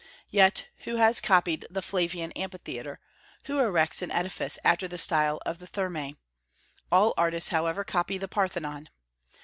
Yet who has copied the Flavian amphitheatre; who erects an edifice after the style of the Thermae? All artists, however, copy the Parthenon.